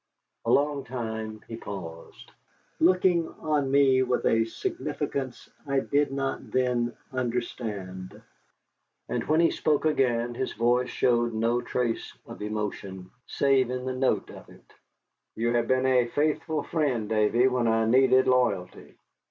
A long time he paused, looking on me with a significance I did not then understand. And when he spoke again his voice showed no trace of emotion, save in the note of it. "You have been a faithful friend, Davy, when I needed loyalty.